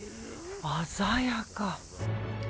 鮮やか。